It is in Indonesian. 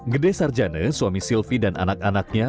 gede sarjana suami silvi dan anak anaknya